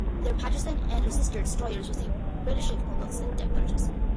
There "Patterson" and her sister destroyers received British signal books and depth charges.